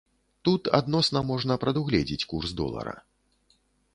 Тут адносна можна прадугледзець курс долара.